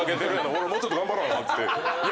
俺もうちょっと頑張らな」って。